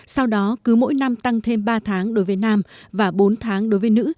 sau đó cứ mỗi năm tăng thêm ba tháng đối với nam và bốn tháng đối với nữ